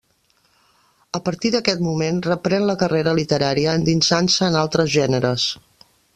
A partir d'aquest moment reprèn la carrera literària endinsant-se en altres gèneres.